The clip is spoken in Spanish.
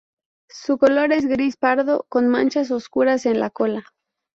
Su color es gris pardo, con manchas oscuras en la cola.